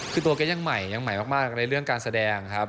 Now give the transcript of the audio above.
คือตัวก็ยังใหม่ยังใหม่มากในเรื่องการแสดงครับ